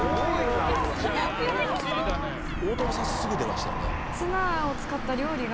大友さんすぐ出ましたよね。